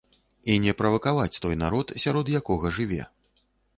І не правакаваць той народ, сярод якога жыве.